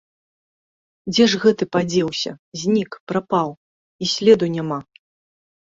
Дзе ж гэты падзеўся, знік, прапаў, і следу няма!